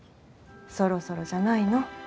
そろそろじゃないの？